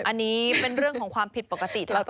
อันนี้เป็นเรื่องของความผิดปกติทั้งอารมณ์